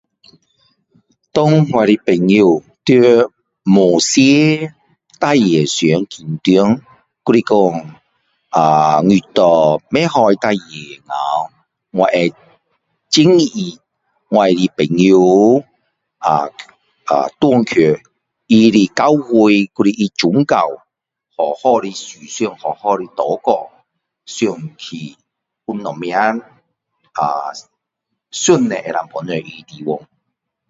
当我的朋友在某些事情上紧张还是说呃你做不好的事情的时候我会建议我的朋友呃呃回去他的教会还是他的转告好好思想好好的祷告想起有什么呃上帝能够帮助他的地方